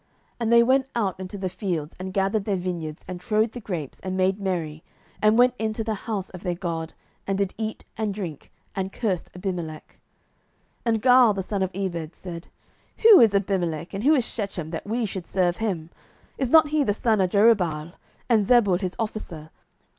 07:009:027 And they went out into the fields, and gathered their vineyards, and trode the grapes, and made merry, and went into the house of their god, and did eat and drink, and cursed Abimelech. 07:009:028 And Gaal the son of Ebed said, Who is Abimelech, and who is Shechem, that we should serve him? is not he the son of Jerubbaal? and Zebul his officer?